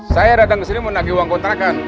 saya datang ke sini mau nagih uang kontrakan